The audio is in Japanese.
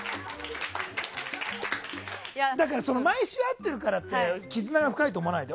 だから、毎週会ってるからって絆が深いと思わないで。